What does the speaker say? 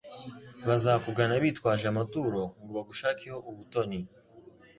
bazakugana bitwaje amaturo ngo bagushakeho ubutoni